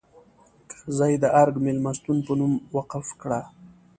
کرزي د ارګ مېلمستون په نوم وقف کړه.